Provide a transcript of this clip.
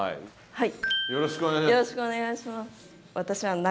はい。